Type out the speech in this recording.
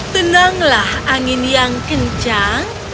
tenanglah angin yang kencang